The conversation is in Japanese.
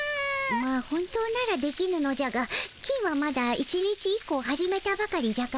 まあ本当ならできぬのじゃが金はまだ１日１個を始めたばかりじゃからの。